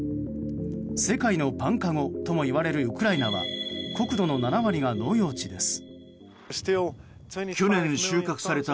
世界のパンかごともいわれるウクライナは国土の７割が農用地です。